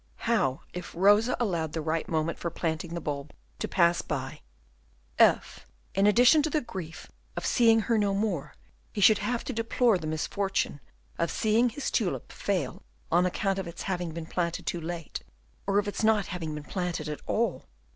How if Rosa allowed the right moment for planting the bulb to pass by, if, in addition to the grief of seeing her no more, he should have to deplore the misfortune of seeing his tulip fail on account of its having been planted too late, or of its not having been planted at all!